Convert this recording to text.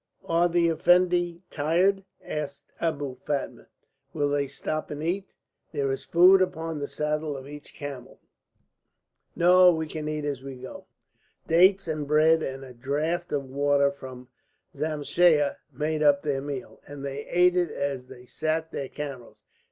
"Are the Effendi tired?" asked Abou Fatma. "Will they stop and eat? There is food upon the saddle of each camel." "No; we can eat as we go." Dates and bread and a draught of water from a zamsheyeh made up their meal, and they ate it as they sat their camels.